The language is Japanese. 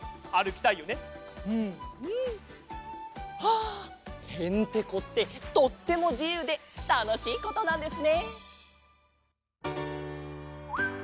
あヘンテコってとってもじゆうでたのしいことなんですね。